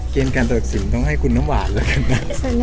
เกณฑ์การตัดสินต้องให้คุณน้ำหวานแล้วกันนะ